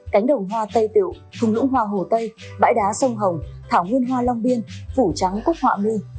cánh đồng hoa tây tiệu thùng lũng hoa hồ tây bãi đá sông hồng thảo nguyên hoa long biên phủ trắng cúc họa mi